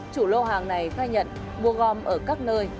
chủ lô hàng này khai nhận mua gom ở các nơi